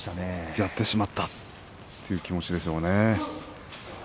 やってしまったという気持ちでしょうね。